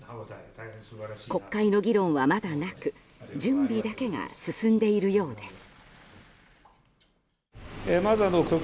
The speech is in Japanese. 国会の議論はまだなく準備だけが進んでいるようです。